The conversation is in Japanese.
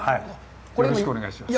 よろしくお願いします。